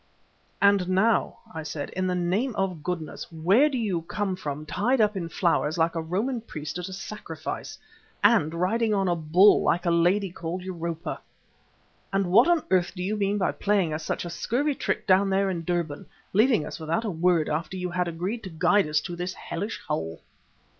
"And now," I said, "in the name of goodness, where do you come from tied up in flowers like a Roman priest at sacrifice, and riding on a bull like the lady called Europa? And what on earth do you mean by playing us such a scurvy trick down there in Durban, leaving us without a word after you had agreed to guide us to this hellish hole?"